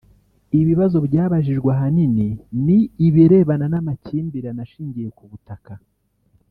Ibibazo byabajijwe ahanini ni ibirebana n’amakimbirane ashingiye ku butaka